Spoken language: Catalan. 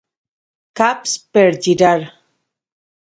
Caps per lligar.